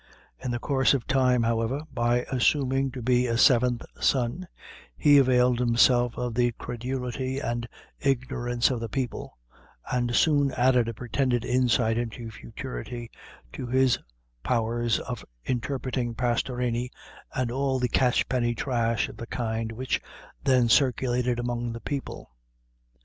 In the course of time, however, by assuming to be a seventh son, he availed himself of the credulity and ignorance of the people, and soon added a pretended insight into futurity to his powers of interpreting Pastorini, and all the catchpenny trash of the kind which then circulated among the people.